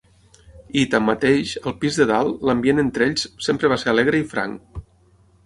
I, tanmateix, al pis de dalt, l'ambient entre ells sempre va ser alegre i franc.